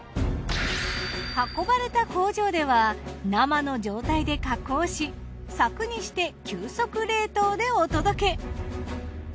運ばれた工場では生の状態で加工し柵にして急速冷凍でお届け。